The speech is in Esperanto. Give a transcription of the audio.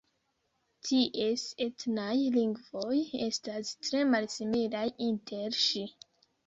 Ties etnaj lingvoj estas tre malsimilaj inter si.